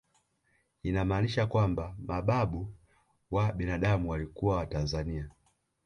Inamaanisha kwamba mababu wa binadamu walikuwa watanzania